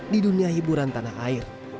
di dunia hiburan tanah air